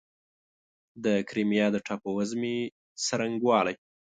د کریمیا د ټاپووزمې څرنګوالی